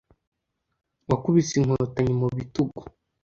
wakubise inkotanyi mu bitugu